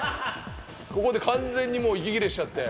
ここで完全にもう息切れしちゃって。